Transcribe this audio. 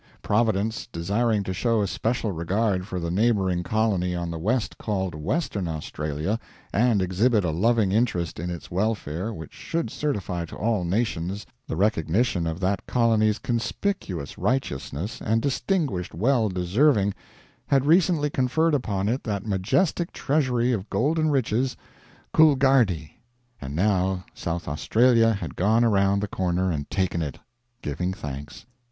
Providence, desiring to show especial regard for the neighboring colony on the west called Western Australia and exhibit a loving interest in its welfare which should certify to all nations the recognition of that colony's conspicuous righteousness and distinguished well deserving, had recently conferred upon it that majestic treasury of golden riches, Coolgardie; and now South Australia had gone around the corner and taken it, giving thanks.